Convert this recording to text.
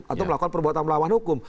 atau melakukan perbuatan melawan hukum